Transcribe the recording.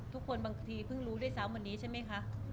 ทุกคนบางทีเพิ่งรู้ได้ซ้ำวันนี้ใช่มั้ยคะ